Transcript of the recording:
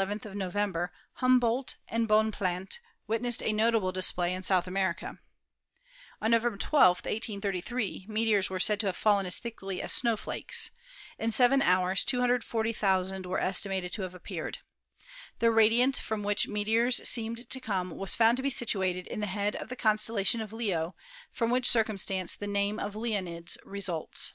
the nth of November, Humboldt and Bonplandt witnessed a notable display in South America. On November 12, 1833, meteors were said to have fallen as thickly as snow flakes; in seven hours 240,000 were estimated to have appeared. The radiant from which the meteors seemed to come was found to be situated in the head of the constel 250 ASTRONOMY lation of Leo, from which circumstance the name Leonids results.